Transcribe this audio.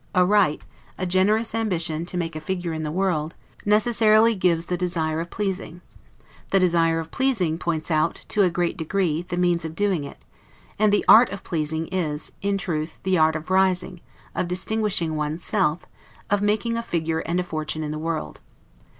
A right, a generous ambition to make a figure in the world, necessarily gives the desire of pleasing; the desire of pleasing points out, to a great degree, the means of doing it; and the art of pleasing is, in truth, the art of rising, of distinguishing one's self, of making a figure and a fortune in the world.